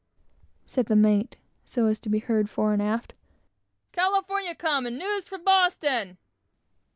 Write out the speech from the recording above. said the mate, so as to be heard fore and aft; "California come, and news from Boston!"